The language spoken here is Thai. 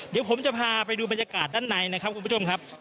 เดี๋ยวผมจะพาไปดูบรรยากาศด้านในนะครับคุณผู้ชมครับ